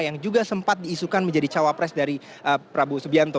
yang juga sempat diisukan menjadi cawapres dari prabowo subianto